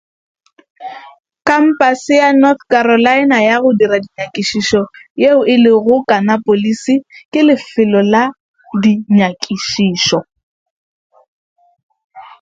The North Carolina Research Campus in Kannapolis is a research center.